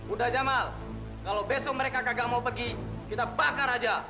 udah jamal kalau besok mereka kagak mau pergi kita bakar aja